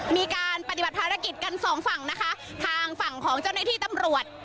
มีการปฏิบัติภารกิจกันสองฝั่งนะคะทางฝั่งของเจ้าหน้าที่ตำรวจ